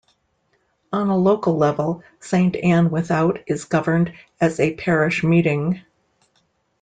On a local level, Saint Ann Without is governed as a Parish meeting.